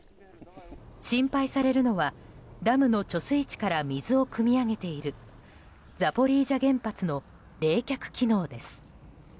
心配されるのはダムの貯水池から水をくみ上げているザポリージャ原発の冷却機能です。